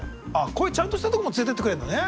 こういうちゃんとしたとこも連れてってくれるんだね。